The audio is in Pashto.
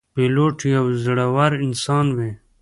پیلوټ یو زړهور انسان وي.